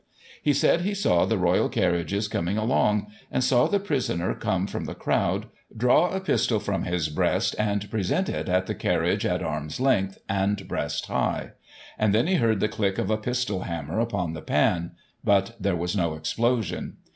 He said he saw the royal carriages coming along, and saw the prisoner come from the Digiti ized by Google 192 GOSSIP. [1842 crowd, draw a pistol from his breast, and present it at the carriage, at arm^s length, and breast high; and then he heard the click of a pistol hammer upon the pan ; but there was no explosion.